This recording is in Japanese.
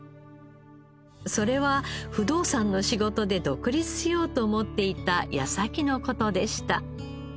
それは不動産の仕事で独立しようと思っていた矢先の事でした。